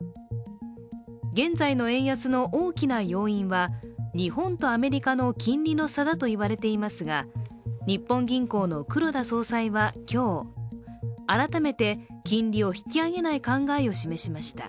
現在の円安の大きな要因は日本とアメリカの金利の差だと言われていますが、日本銀行の黒田総裁は今日、改めて金利を引き上げない考えを示しました。